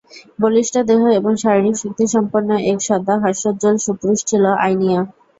বলিষ্ট দেহ এবং শারীরিক শক্তিসম্পন্ন এক সদা হাস্যোজ্জল সুপুরুষ ছিল আইনিয়া।